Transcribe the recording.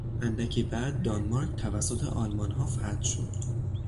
اندکی بعد دانمارک توسط آلمانها فتح شد.